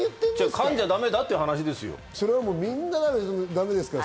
噛んじゃだめだって話ですよ。